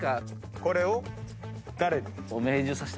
これを誰に？